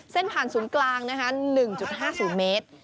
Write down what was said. เส้นผ่านสูงกลาง๑๕สูงเมตร